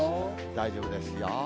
大丈夫ですよ。